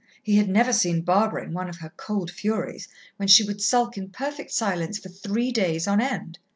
he had never seen Barbara in one of her cold furies, when she would sulk in perfect silence for three days on end!)